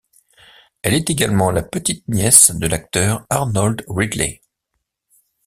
Elle est également la petite-nièce de l'acteur Arnold Ridley.